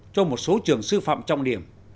cho một số trường sư phạm trọng điểm